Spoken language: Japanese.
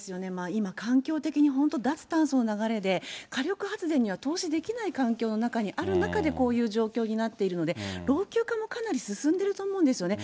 今、環境的に本当、脱炭素の流れで、火力発電には投資できない環境の中にある中でこういう状況になっているので、老朽化もかなり進んでると思うんですよね。